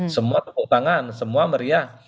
semua tepuk tangan semua meriah